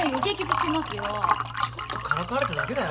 ちょっとからかわれただけだよ？